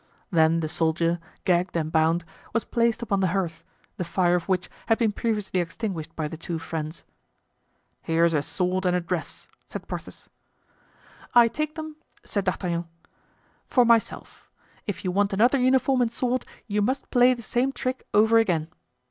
Then the soldier, gagged and bound, was placed upon the hearth, the fire of which had been previously extinguished by the two friends. "Here's a sword and a dress," said Porthos. "I take them," said D'Artagnan, "for myself. If you want another uniform and sword you must play the same trick over again.